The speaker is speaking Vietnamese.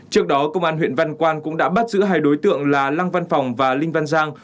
trước đó công an huyện văn quan cũng đã bắt giữ hai đối tượng là lăng văn phòng và linh văn giang